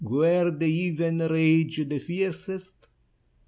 Where the heathen rage the fiercest.